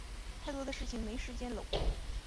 太多的事情没时间搂